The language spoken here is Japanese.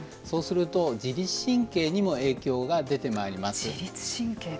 そうすると、自律神経にも影響が出てまいります。